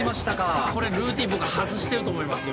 これルーティーン僕外してると思いますよ。